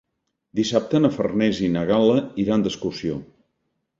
Dissabte na Farners i na Gal·la iran d'excursió.